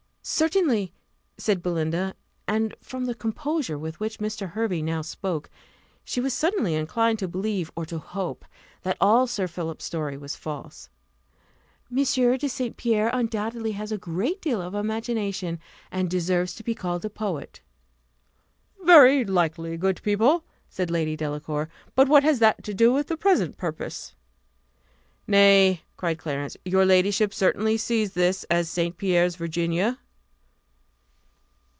"Certainly," said Belinda; and from the composure with which Mr. Hervey now spoke, she was suddenly inclined to believe, or to hope, that all Sir Philip's story was false. "M. de St. Pierre undoubtedly has a great deal of imagination, and deserves to be called a poet." "Very likely, good people!" said Lady Delacour; "but what has that to do with the present purpose?" "Nay," cried Clarence, "your ladyship certainly sees that this is St. Pierre's Virginia?"